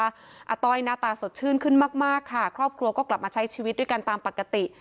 อาต้อยหน้าตาสดชื่นขึ้นมากค่ะครอบครัวก็กลับมาใช้ชีวิตด้วยกันตามปกติ